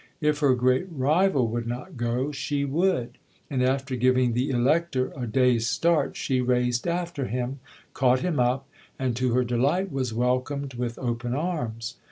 If her great rival would not go, she would; and after giving the Elector a day's start, she raced after him, caught him up, and, to her delight, was welcomed with open arms.